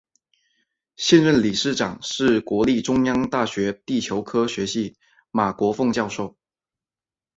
现任理事长是国立中央大学地球科学系马国凤教授。